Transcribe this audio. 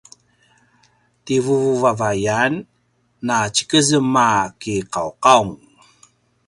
ti vuvu vavayan na tjikezem a kiqauqaung